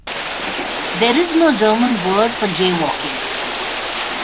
There is no German word for jaywalking.